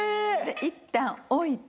いったん置いて。